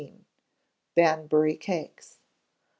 Banbury Cakes.